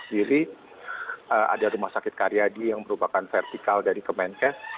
di jawa tengah sendiri ada rumah sakit karyadi yang merupakan vertikal dari kemenkes